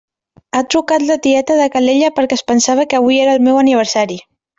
Ha trucat la tieta de Calella perquè es pensava que avui era el meu aniversari.